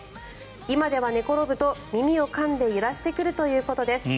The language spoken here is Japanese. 今では寝転ぶと耳をかんで揺らしてくるということです。